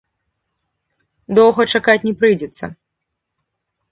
Доўга чакаць не прыйдзецца.